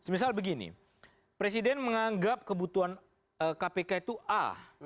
misal begini presiden menganggap kebutuhan kpk itu a